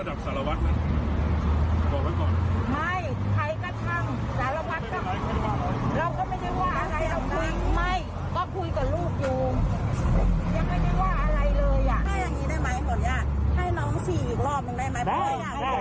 ได้